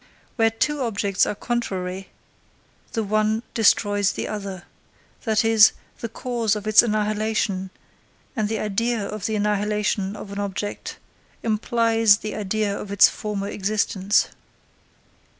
Where two objects are contrary, the one destroys the other; that is, the cause of its annihilation, and the idea of the annihilation of an object, implies the idea of its former existence.